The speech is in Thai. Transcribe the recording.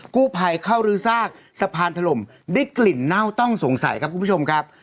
กู้ภัยเข้ารื้อซากสะพานถล่มได้กลิ่นเน่าต้องสงสัยครับคุณผู้ชมครับ